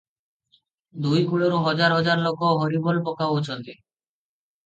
ଦୁଇ କୂଳରୁ ହଜାର ହଜାର ଲୋକ 'ହରିବୋଲ' ପକାଉଅଛନ୍ତି |